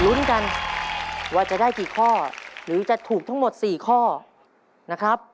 ลุ้นกันว่าจะได้กี่ข้อหรือจะถูกทั้งหมด๔ข้อนะครับ